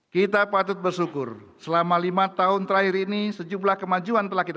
kita patut bersyukur selama lima tahun terakhir ini sejumlah kemajuan telah kita